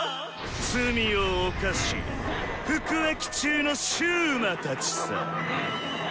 罪を犯し服役中の囚魔たちさ！